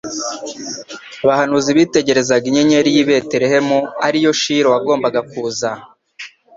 abahanuzi bitegerezaga Inyenyeri y’i Betelehemu, ariyo Shilo wagombaga kuza